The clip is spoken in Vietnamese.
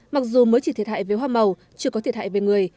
mặc dù mới chỉ thiệt hại về hoa màu chưa có thiệt hại về người